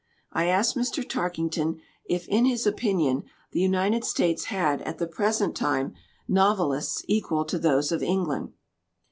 I asked Mr. Tarkington if in his opinion the United States had at the present time novelists equal to those of England.